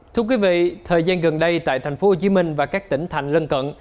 thưa quý vị thời gian gần đây tại thành phố hồ chí minh và các tỉnh thành lân cận